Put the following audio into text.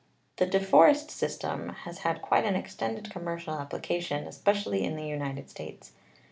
The De Forest system has had quite an extended com mercial application, especially in the United States.